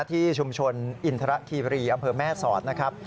ที่ชุมชนอินทรคีบรีอำเภอแม่สอดนะครับ